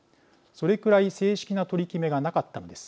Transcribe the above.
それくらい正式な取り決めがなかったです。